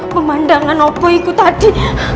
pemandangan opoiku tadi